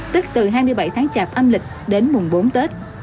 tức từ hai mươi bảy tháng chạp âm lịch đến mùng bốn tết